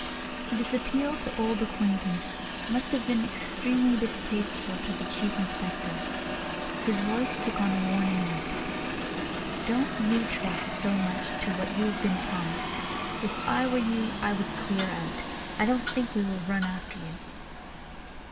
This appeal to old acquaintance must have been extremely distasteful to the Chief Inspector. His voice took on a warning note. "Don't you trust so much to what you have been promised. If I were you I would clear out. I don't think we will run after you."